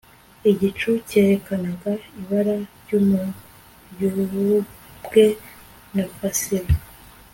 igicu cyerekanaga ibara ry'umuyugubwe na safiro